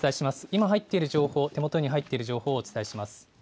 今入っている情報、手元に入っている情報をお伝えします。